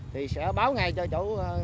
thì sẽ báo ngay cho chỗ